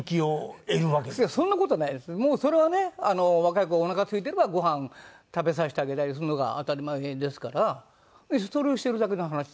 もうそれはね若い子がおなかすいてればごはん食べさせてあげたりするのが当たり前ですからそれをしてるだけの話ですから。